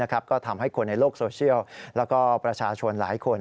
ก็ทำให้คนในโลกโซเชียลแล้วก็ประชาชนหลายคน